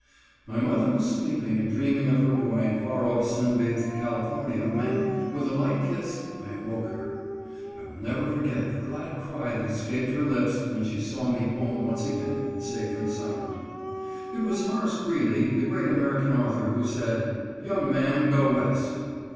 My mother was sleeping and dreaming of her boy in far off sun bathed California, when, with a light kiss, I awoke her. I will never forget the glad cry that escaped her lips when she saw me home once again, safe and sound. It was Horace Greeley, the great American author, who said: "Young men go West."